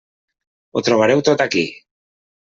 Ho trobareu tot aquí.